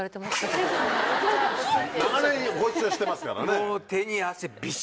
長年ご一緒してますからね。